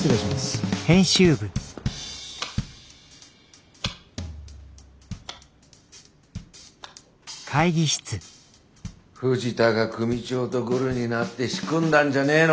藤田が組長とグルになって仕組んだんじゃねえのか？